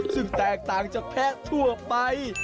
ซึ่งแตกต่างจากแพะทั่วไป